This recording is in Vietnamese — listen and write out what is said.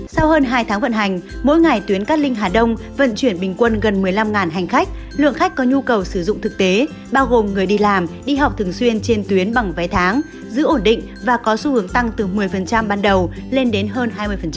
sau hơn hai tháng vận hành mỗi ngày tuyến cát linh hà đông vận chuyển bình quân gần một mươi năm hành khách lượng khách có nhu cầu sử dụng thực tế bao gồm người đi làm đi học thường xuyên trên tuyến bằng vé tháng giữ ổn định và có xu hướng tăng từ một mươi ban đầu lên đến hơn hai mươi